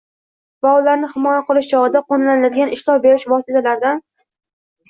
va ularni himoya qilish chog‘ida qo‘llaniladigan ishlov berish vositalaridan